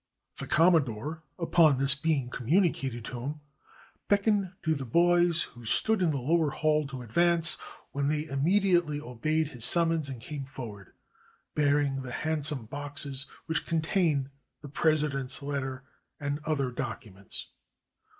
The Commodore, upon this being communicated to him, beckoned to the boys who stood in the lower hall to advance, when they immediately obeyed his summons and came forward, bearing the handsome boxes which contained the President's letter and other documents.